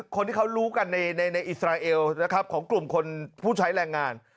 คนที่เขารู้กันในอิสราเอลนะครับของกลุ่มคนผู้ใช้แรงงาน